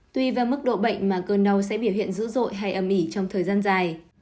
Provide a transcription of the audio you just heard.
tuy và mức độ bệnh mà cơn đau sẽ biểu hiện dữ dội hay âm ỉ trong thời gian dài